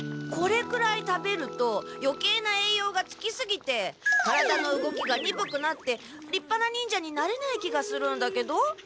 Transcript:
これくらい食べるとよけいなえいようがつきすぎて体の動きがにぶくなってりっぱな忍者になれない気がするんだけど。